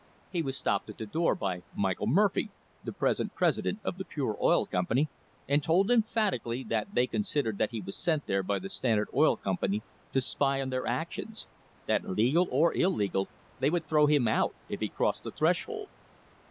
He was stopped at the door by Michael Murphy, the present president of the Pure Oil Company, and told emphatically that they considered that he was sent there by the Standard Oil Company to spy on their actions ; that, legal or illegal, they would throw him out if he crossed the threshold.